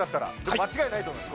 間違いないと思います